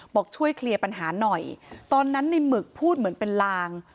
บอกช่วยเคลียร์ปัญหาหน่อยตอนนั้นในหมึกพูดเหมือนเป็นลาง